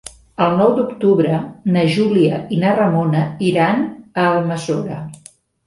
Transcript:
El nou d'octubre na Júlia i na Ramona iran a Almassora.